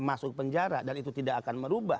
masuk penjara dan itu tidak akan merubah